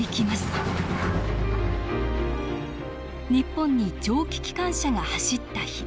「ニッポンに蒸気機関車が走った日」